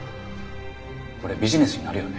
これビジネスになるよね？